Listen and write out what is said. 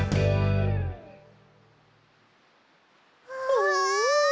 うわ！